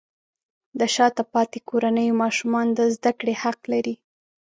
د شاته پاتې کورنیو ماشومان د زده کړې حق لري.